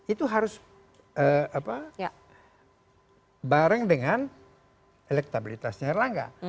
itu harus bareng dengan elektabilitasnya erlangga